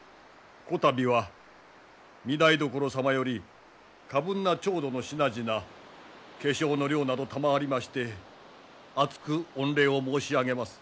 こたびは御台所様より過分な調度の品々化粧の料など賜りまして厚く御礼を申し上げます。